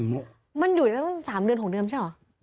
มันอยู่ทั้ง๓เดือนของเดิมใช่หรือ